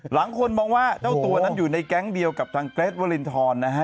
หลังคนมองว่าเจ้าตัวนั้นอยู่ในแก๊งเดียวกับทางเกรทวรินทรนะฮะ